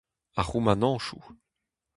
Ar c'houmanantoù.